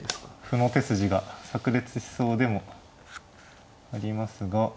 歩の手筋がさく裂しそうでもありますが。